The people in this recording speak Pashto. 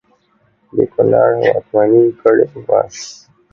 د کنړ واکمني کړې وه.